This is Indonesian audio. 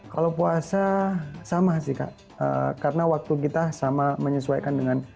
kalau puasa sama sih kak karena waktu kita sama menyesuaikan dengan